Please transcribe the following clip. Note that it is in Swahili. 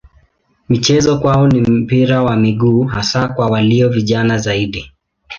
Michezo kwao ni mpira wa miguu hasa kwa walio vijana zaidi.